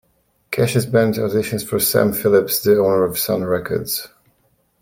Cash's band auditions for Sam Phillips, the owner of Sun Records.